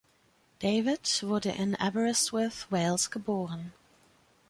David wurde in Aberystwyth, Wales, geboren.